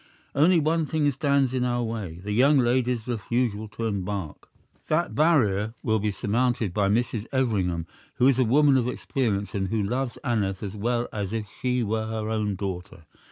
Only one thing stands in our way the young lady's refusal to embark. That barrier will be surmounted by Mrs. Everingham, who is a woman of experience and who loves Aneth as well as if she were her own daughter.